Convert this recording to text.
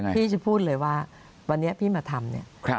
พี่จะพูดเลยว่าวันนี้พี่มาทำเนี่ย